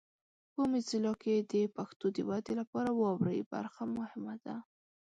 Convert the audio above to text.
په موزیلا کې د پښتو د ودې لپاره واورئ برخه مهمه ده.